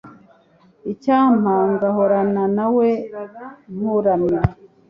icyampa ngahorana nawe nkuramya